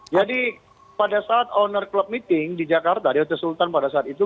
jadi pada saat owner club meeting di jakarta yosya sultan pada saat itu